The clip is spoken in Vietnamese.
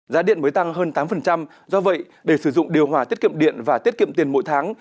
giá điện mới tăng hơn tám do vậy để sử dụng điều hòa tiết kiệm điện và tiết kiệm tiền mỗi tháng